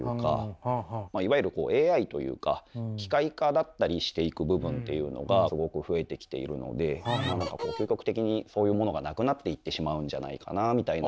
いわゆるＡＩというか機械化だったりしていく部分というのがすごく増えてきているので究極的にそういうものがなくなっていってしまうんじゃないかなみたいな。